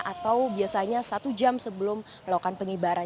atau biasanya satu jam sebelum melakukan pengibaran